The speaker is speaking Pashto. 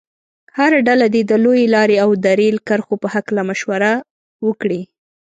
هره ډله دې د لویې لارې او د ریل کرښو په هلکه مشوره وکړي.